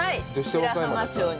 白浜町に。